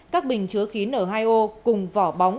các bình chứa khí nở hai ô cùng vỏ bóng